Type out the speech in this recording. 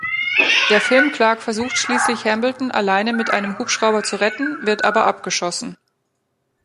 Der „Film-Clark“ versucht schließlich Hambleton alleine mit einem Hubschrauber zu retten, wird aber abgeschossen.